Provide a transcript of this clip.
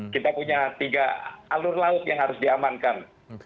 kita punya tiga alur laut yang harus diamankan